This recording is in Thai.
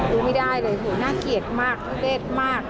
ดูไม่ได้เลยดูน่าเขียดมาก